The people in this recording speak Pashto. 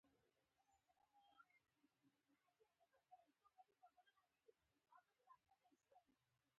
د لوېدیځ روم امپراتورۍ تر سقوط وروسته هم نه و